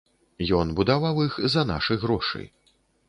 Ён будаваў іх за нашы грошы.